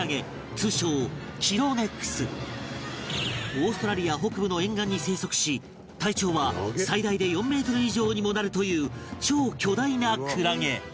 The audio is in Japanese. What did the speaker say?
オーストラリア北部の沿岸に生息し体長は最大で４メートル以上にもなるという超巨大なクラゲ